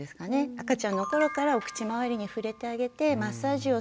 赤ちゃんの頃からお口まわりに触れてあげてマッサージをする。